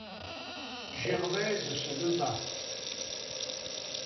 Gervaise se leva.